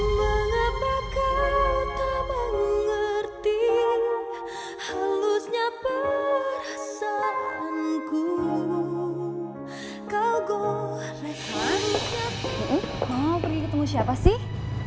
mau pergi ketemu siapa sih